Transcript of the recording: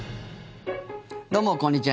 どうも、こんにちは。